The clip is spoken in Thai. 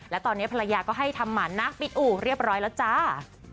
และตอนนี้ภรรยาก็ให้ทำหมานักปิดอู่เรียบร้อยแล้วจ้า